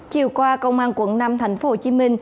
chiều qua công an quận năm tp hcm